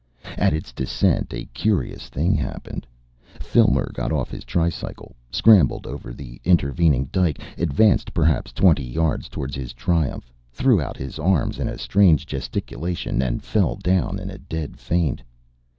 At its descent a curious thing happened. Filmer got off his tricycle, scrambled over the intervening dyke, advanced perhaps twenty yards towards his triumph, threw out his arms in a strange gesticulation, and fell down in a dead faint.